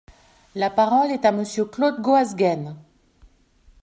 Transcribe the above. La parole est à Monsieur Claude Goasguen.